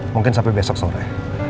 mungkin sampai besok sore